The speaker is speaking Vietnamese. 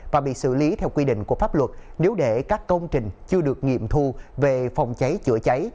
và bị xử lý theo quy định của pháp luật nếu để các công trình chưa được nghiệm thu về phòng cháy chữa cháy